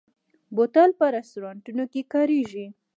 بوتل په رستورانتونو کې کارېږي.